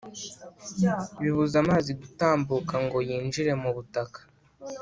Bibuza amazi gutambuka ngo yinjire mu butaka